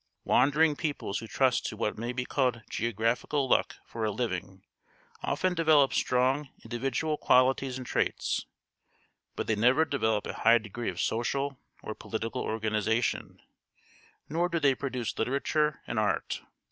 Wandering peoples who trust to what may be called geographical luck for a living often develop strong individual qualities and traits, but they never develop a high degree of social or political organisation, nor do they produce literature and art.